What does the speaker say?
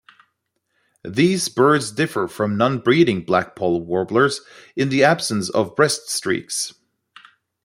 These birds differ from non-breeding blackpoll warblers in the absence of breast streaks.